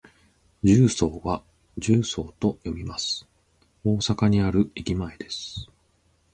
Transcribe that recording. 十三は「じゅうそう」と読みます。大阪にある駅前です。